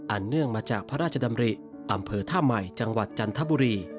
เนื่องมาจากพระราชดำริอำเภอท่าใหม่จังหวัดจันทบุรี